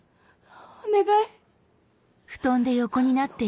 お願い。